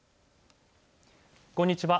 こんにちは。